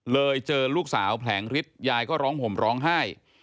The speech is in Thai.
เจอลูกสาวแผลงฤทธิ์ยายก็ร้องห่มร้องไห้